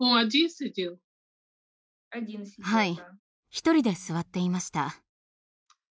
一人で座っていました。